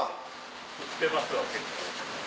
降ってますわ結構。